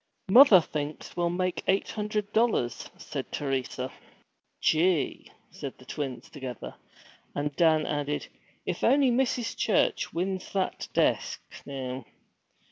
'Mother thinks we'll make eight hundred dollars,' said Teresa. 'Gee!' said the twins together; and Dan added, 'If only Mrs. Church wins that desk, now!'